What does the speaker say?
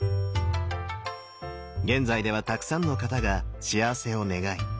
現在ではたくさんの方が幸せを願い